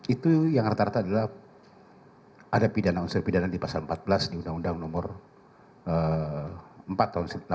itu yang rata rata adalah ada pidana unsur pidana di pasal empat belas di undang undang nomor empat tahun seribu sembilan ratus delapan puluh